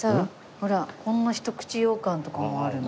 ほらこんな一口羊羹とかもあるの。